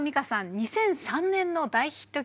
２００３年の大ヒット曲